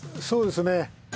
そうですね。